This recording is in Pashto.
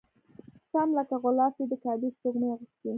سم لکه غلاف وي د کعبې سپوږمۍ اغوستی